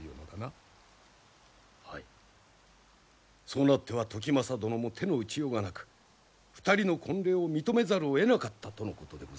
そうなっては時政殿も手の打ちようがなく２人の婚礼を認めざるをえなかったとのことでございます。